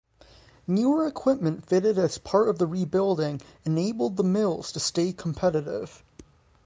Newer equipment fitted as part of the rebuilding enabled the mills to stay competitive.